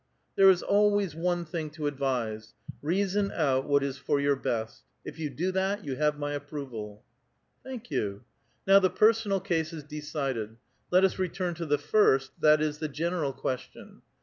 There is always one thing to advise, —' reason out what I is for your best' ; if 3*ou do that, you have my approval." " Thank you. Now the personal case is decided. Let us * return to the first, that is, the general question.